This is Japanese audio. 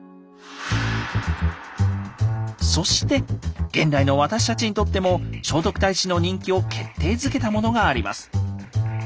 そして現代の私たちにとっても聖徳太子の人気を決定づけたものがあります。